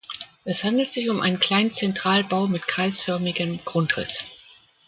Es handelt sich um einen kleinen Zentralbau mit kreisförmigem Grundriss.